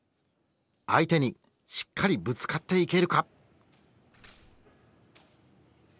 相手にしっかりぶつかっていけるか。